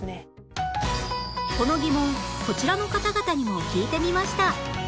この疑問こちらの方々にも聞いてみました